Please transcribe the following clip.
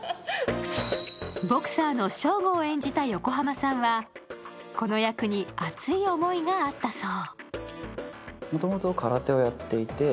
ボクサーの翔吾を演じた横浜さんはこの役に熱い思いがあったそう。